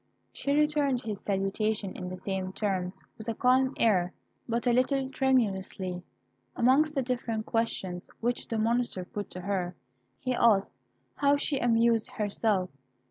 She returned his salutation in the same terms, with a calm air, but a little tremulously. Amongst the different questions which the monster put to her, he asked how she amused herself?